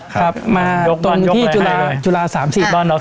ครับมาตรงที่จุฬา๓๐บ้าน